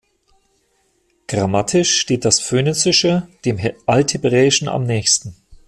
Grammatisch steht das Phönizische dem Althebräischen am nächsten.